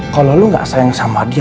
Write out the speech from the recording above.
kalau lu gak sayang sama dia